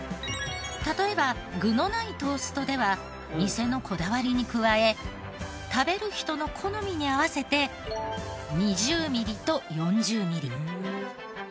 例えば具のないトーストでは店のこだわりに加え食べる人の好みに合わせて２０ミリと４０ミリ。